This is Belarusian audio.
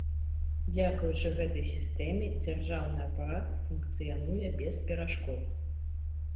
Дзякуючы гэтай сістэме дзяржаўны апарат функцыянуе без перашкод.